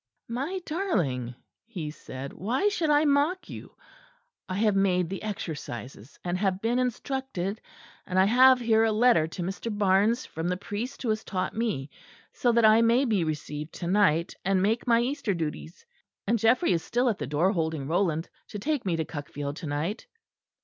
"My darling," he said, "why should I mock you? I have made the Exercises, and have been instructed; and I have here a letter to Mr. Barnes from the priest who has taught me; so that I may be received to night, and make my Easter duties: and Geoffrey is still at the door holding Roland to take me to Cuckfield to night."